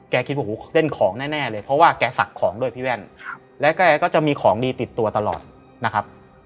คิดว่าหูเต้นของแน่เลยเพราะว่าแกศักดิ์ของด้วยพี่แว่นและแกก็จะมีของดีติดตัวตลอดนะครับ